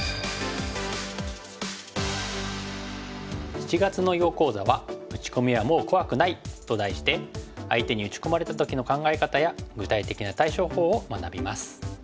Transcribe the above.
７月の囲碁講座は「打ち込みはもう怖くない」と題して相手に打ち込まれた時の考え方や具体的な対処法を学びます。